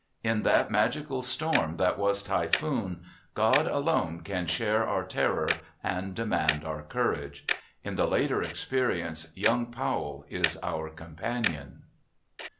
In that magical storm that was Typhoon God alone can share our terror and demand our courage; in the later experience young Powell is our companion.